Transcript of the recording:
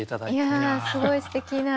いやすごいすてきな。